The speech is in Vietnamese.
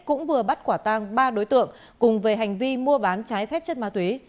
cũng vừa bắt quả tang ba đối tượng cùng về hành vi mua bán trái phép chất ma túy